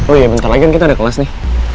oh iya bentar lagi kan kita ada kelas nih